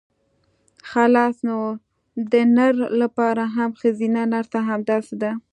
خلاص نو د نر لپاره هم ښځينه نرسه همداسې ده.